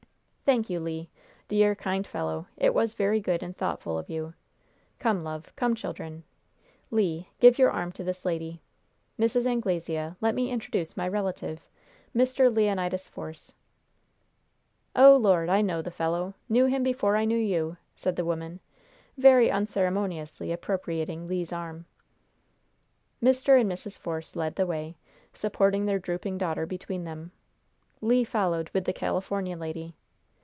"Thank you, Le. Dear, kind fellow! It was very good and thoughtful of you. Come, love. Come, children. Le, give your arm to this lady. Mrs. Anglesea, let me introduce my relative, Mr. Leonidas Force." "Oh, Lord! I know the fellow. Knew him before I knew you," said the woman, very unceremoniously appropriating Le's arm. Mr. and Mrs. Force led the way, supporting their drooping daughter between them. Le followed with the California lady.